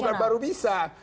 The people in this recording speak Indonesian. bukan baru bisa